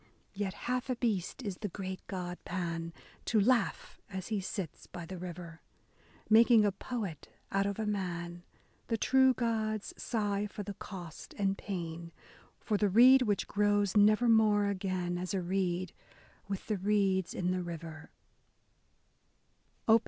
Yet half a beast is the great god Pan, To laugh as he sits by the river, Making a poet out of a man : The true gods sigh for the cost and pain, — For the reed which grows nevermore again As a reed with the reeds in the river.